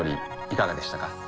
いかがでしたか？